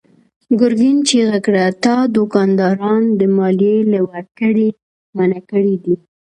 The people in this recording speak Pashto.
ګرګين چيغه کړه: تا دوکانداران د ماليې له ورکړې منع کړي دي.